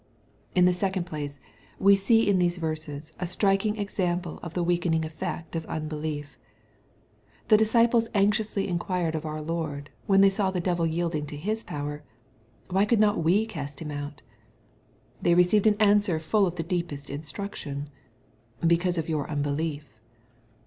In the second place, we see in these verses a striking example of the weakening effect of unbelief. The dis ciples anxiously inquired of our Lord, when they saw the devil yielding to his power, "Why could not we cast him out?" They received an answer full of the deepest instruction —" hecause of your unbelief."